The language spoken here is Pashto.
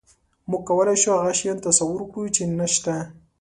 موږ کولی شو هغه شیان تصور کړو، چې نهشته.